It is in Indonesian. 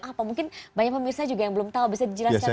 apa mungkin banyak pemirsa juga yang belum tahu bisa dijelaskan